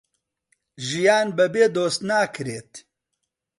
ژیان بەبێ دۆست ناکرێت